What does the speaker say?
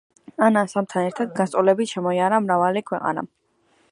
ამ ანსამბლთან ერთად გასტროლებით შემოიარა მრავალი ქვეყანა.